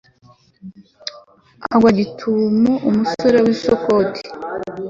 agwa gitumo umusore w'i sukoti